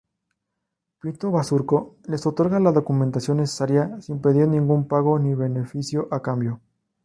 Pinto-Bazurco les otorga la documentación necesaria sin pedir ningún pago ni beneficio a cambio.